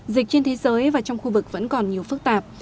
dịch trên thế giới và trong khu vực vẫn còn nhiều phức tạp